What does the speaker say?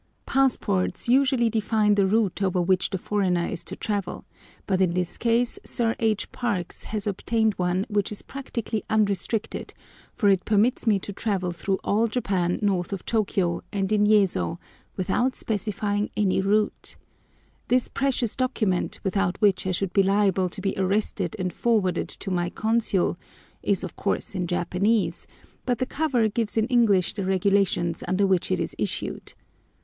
Passports usually define the route over which the foreigner is to travel, but in this case Sir H. Parkes has obtained one which is practically unrestricted, for it permits me to travel through all Japan north of Tôkiyô and in Yezo without specifying any route. This precious document, without which I should be liable to be arrested and forwarded to my consul, is of course in Japanese, but the cover gives in English the regulations under which it is issued.